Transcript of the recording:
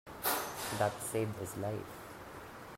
That saved his life.